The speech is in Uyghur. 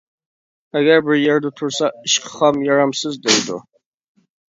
ئەگەر بىر يەردە تۇرسا، «ئىشقا خام، يارامسىز» دەيدۇ.